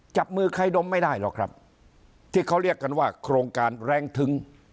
จับมือใครดมไม่ได้หรอกครับที่เขาเรียกกันว่าโครงการแรงทึ้ง